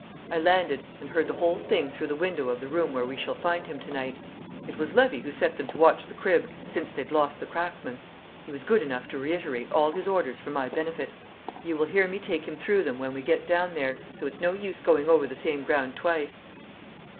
I landed and heard the whole thing through the window of the room where we shall find him to night. It was Levy who set them to watch the crib since they'd lost the cracksman; he was good enough to reiterate all his orders for my benefit. You will hear me take him through them when we get down there, so it's no use going over the same ground twice."